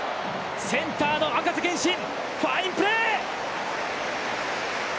センターの赤瀬健心、ファインプレー！